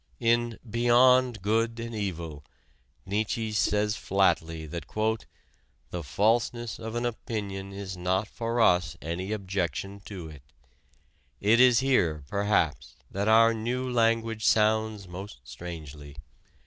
In "Beyond Good and Evil" Nietzsche says flatly that "the falseness of an opinion is not for us any objection to it: it is here, perhaps, that our new language sounds most strangely.